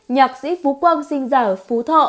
nhạc sĩ phú quang sinh ra ở phú thọ